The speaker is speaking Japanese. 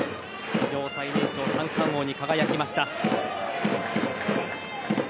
史上最年少三冠王に輝きました。